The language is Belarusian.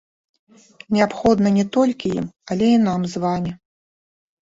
Неабходна не толькі ім, але і нам з вамі.